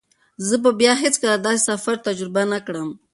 زه به بیا هیڅکله داسې سفر تجربه نه کړم.